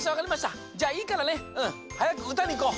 じゃあいいからねうんはやくうたにいこう。